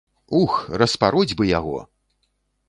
Ух, распароць бы яго!